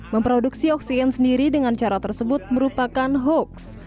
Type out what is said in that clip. memproduksi oksigen sendiri dengan cara tersebut merupakan hoax